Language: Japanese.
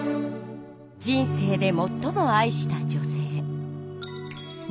人生でもっとも愛した女性